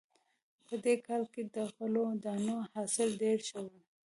په دې کال کې د غلو دانو حاصل ډېر ښه و